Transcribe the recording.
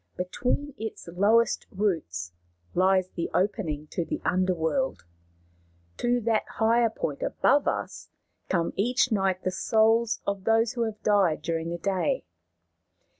" Between its lowest roots lies the opening to the underworld. To that higher point above us come each night the souls of those who have died during the day.